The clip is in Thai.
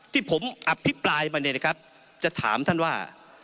ที่ผมอภิปรายมาเนี่ยนะครับจะถามท่านว่า